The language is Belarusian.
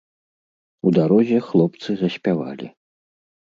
У дарозе хлопцы заспявалі.